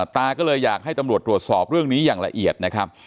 ตาก็เลยอยากให้ตำรวจตรวจสอบเรื่องนี้อย่างละเอียดนะครับ